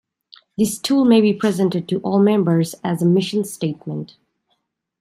This tool may be presented to all members as a mission statement.